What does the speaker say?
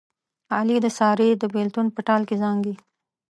علي د سارې د بلېتون په ټال کې زانګي.